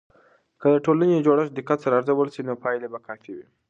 که د ټولنې جوړښت دقت سره ارزول سي، نو پایلې به کافي وي.